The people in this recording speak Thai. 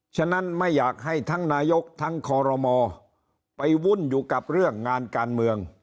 ฉะนั้นไม่อยากให้ทั้งนายกทั้งคอรมอ